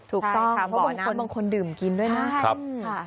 ถูกครองเพราะบางคนดื่มกินด้วยนะ